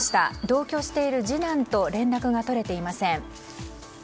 同居している次男と連絡が取れていません。